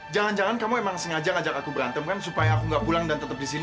jangan jangan kamu emang sengaja ngajak aku berantem kan supaya aku gak pulang dan tetep disini